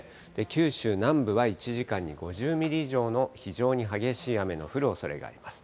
九州南部は１時間に５０ミリ以上の非常に激しい雨の降るおそれがあります。